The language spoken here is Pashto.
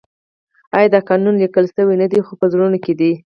آیا دا قانون لیکل شوی نه دی خو په زړونو کې دی؟